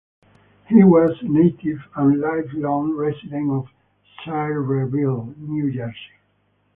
He was a native and lifelong resident of Sayreville, New Jersey.